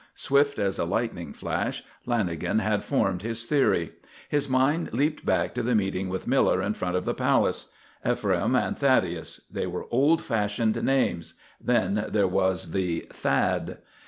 Swift as a lightning flash Lanagan had formed his theory. His mind leaped back to the meeting with Miller in front of the Palace. Ephraim and Thaddeus; they were old fashioned names. Then there was the "Thad."